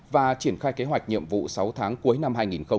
và triển khai kế hoạch nhiệm vụ sáu tháng cuối năm hai nghìn hai mươi